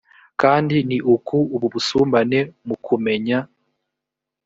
kandi ni uko ubu busumbane mu kumenya